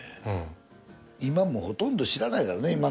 今もうほとんど知らないからね